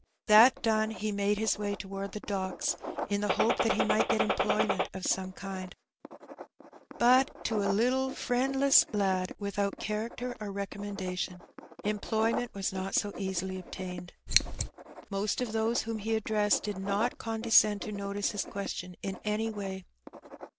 That done, he made his way toward the docks, in the hope tiiat he might get employment of some kind. But to a Uttie Adbipt. 203 friendlesB lad, witlioiit eliaracter or recommemdatioii, employ ment was not so easily obtained. Most of those whom he addressed did not condescend to notice his question in anj way.